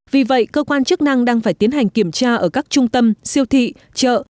vì vậy cơ quan chức năng đang phải tiến hành kiểm tra ở các trung tâm siêu thị chợ